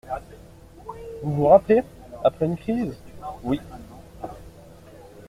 Vous vous rappelez, après une crise ? Oui.